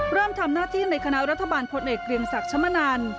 เริ่มทำหน้าที่ในคณะรัฐบาลพลเอกเกรียงศักดิ์ชมนัน